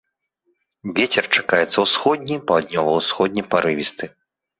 Вецер чакаецца ўсходні, паўднёва-ўсходні парывісты.